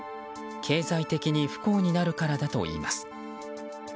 経済的に不幸になるからだといいます。